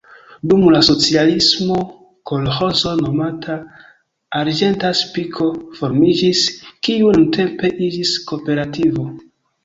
Dum la socialismo kolĥozo nomata "Arĝenta Spiko" formiĝis, kiu nuntempe iĝis kooperativo.